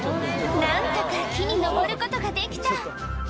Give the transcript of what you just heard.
なんとか木に登ることができた。